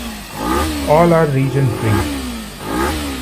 All are region-free.